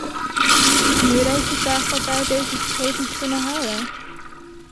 Nu rijst de vraag wat wij uit deze gegevens kunnen halen.